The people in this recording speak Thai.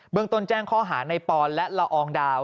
เมืองต้นแจ้งข้อหาในปอนและละอองดาว